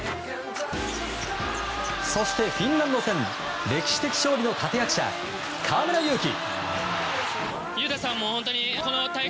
そしてフィンランド戦歴史的勝利の立役者、河村勇輝。